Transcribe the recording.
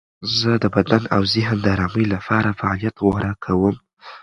زه د بدن او ذهن د آرامۍ لپاره فعالیت غوره کوم.